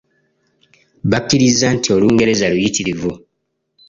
Bakkiriza nti Olungereza luyitirivu.